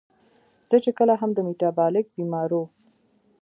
زۀ چې کله هم د ميټابالک بيمارو